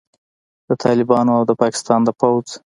د طالبانو او د پاکستان د پوځ